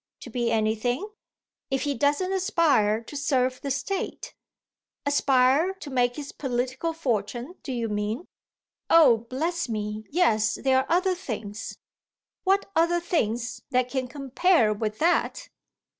"To be anything ?" "If he doesn't aspire to serve the State." "Aspire to make his political fortune, do you mean? Oh bless me, yes, there are other things." "What other things that can compare with that?"